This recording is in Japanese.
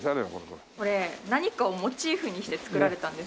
これ何かをモチーフにして作られたんですけど。